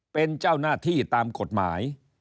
เป็นเจ้าหน้าที่ตามกฎหมาย